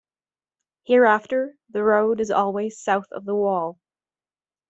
Hereafter the road is always south of the wall.